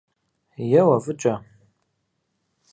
Еуэ, фӏыкӏэ!